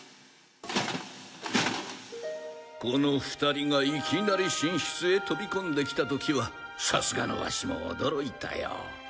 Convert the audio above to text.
この２人がいきなり寝室へ飛び込んできた時はさすがのワシも驚いたよ。